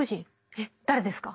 えっ誰ですか？